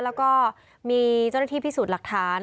แล้วก็มีเจ้าหน้าที่พิสูจน์หลักฐาน